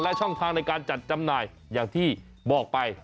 และช่องทางในการจัดจำหน่ายอย่างที่บอกไป